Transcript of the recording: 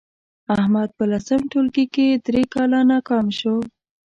احمد په لسم ټولگي کې درې کاله ناکام شو